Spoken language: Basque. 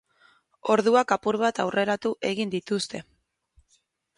Orduak apur bat aurreratu egin dituzte.